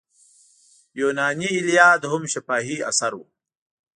یوناني ایلیاد هم شفاهي اثر و.